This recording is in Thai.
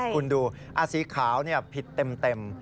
คุณดูสีขาวผิดเต็ม